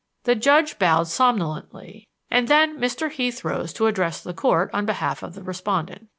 The judge bowed somnolently, and then Mr. Heath rose to address the Court on behalf of the respondent.